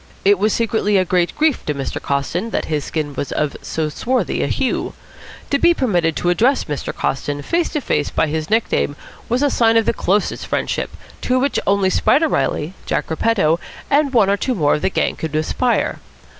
It was secretly a great grief to Mr. Coston that his skin was of so swarthy a hue. To be permitted to address Mr. Coston face to face by his nickname was a sign of the closest friendship, to which only Spider Reilly, Jack Repetto, and one or two more of the gang could aspire.